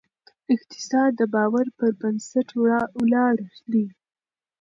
اقتصاد د باور پر بنسټ ولاړ دی.